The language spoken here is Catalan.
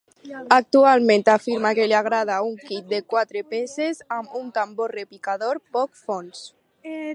Actualment afirma que li agrada un kit de quatre peces amb un tambor repicador poc fons.